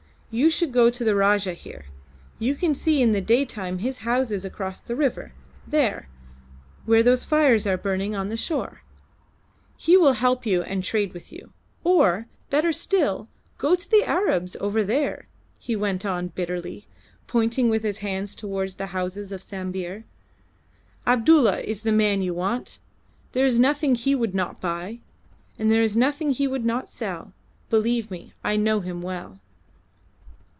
You should go to the Rajah here; you can see in the daytime his houses across the river, there, where those fires are burning on the shore. He will help you and trade with you. Or, better still, go to the Arabs over there," he went on bitterly, pointing with his hand towards the houses of Sambir. "Abdulla is the man you want. There is nothing he would not buy, and there is nothing he would not sell; believe me, I know him well."